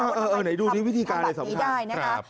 ไหนดูวิธีการเลยสำคัญ